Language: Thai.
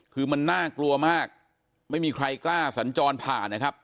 คือมันน่ากลัวมากไม่มีใครกล้าสัญจรผ่านนะครับ